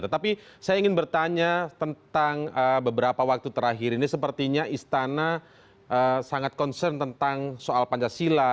tetapi saya ingin bertanya tentang beberapa waktu terakhir ini sepertinya istana sangat concern tentang soal pancasila